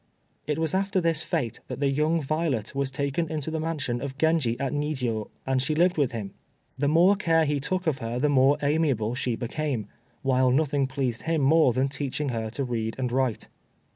It was after this fête that the young Violet was taken into the mansion of Genji at Nijiô, and she lived with him. The more care he took of her the more amiable she became, while nothing pleased him more than teaching her to read and write.